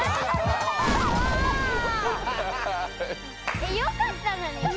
えっよかったのに。